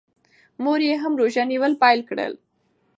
مور یې هم روژه نیول پیل کړل.